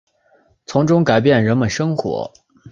从中改变人们生活